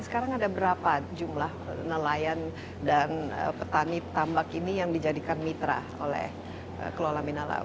sekarang ada berapa jumlah nelayan dan petani tambak ini yang dijadikan mitra oleh kelola mina laut